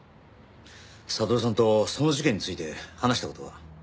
悟さんとその事件について話した事は？